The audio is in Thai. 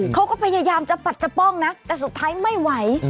เขาก็พยายามจะปัดจะป้องนะแต่สุดท้ายไม่ไหว